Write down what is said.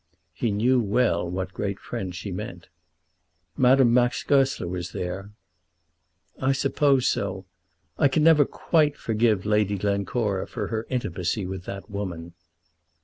He knew well what great friend she meant. "Madame Max Goesler was there." "I suppose so. I can never quite forgive Lady Glencora for her intimacy with that woman."